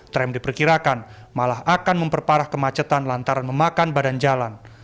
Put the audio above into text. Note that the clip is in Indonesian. tram diperkirakan malah akan memperparah kemacetan lantaran memakan badan jalan